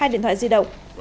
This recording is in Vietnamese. hai điện thoại di động